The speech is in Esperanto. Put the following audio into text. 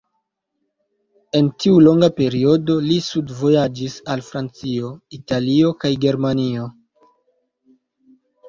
En tiu longa periodo li studvojaĝis al Francio, Italio kaj Germanio.